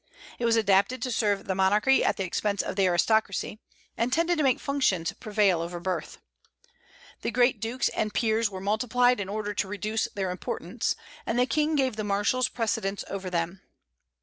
It was adapted to serve the monarchy at the expense of the aristocracy, and tended to make functions prevail over birth. The great dukes and peers were multiplied in order to reduce their importance, and the King gave the marshals precedence over them.